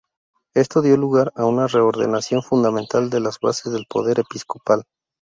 Esto dio lugar a una reordenación fundamental de las bases del poder episcopal.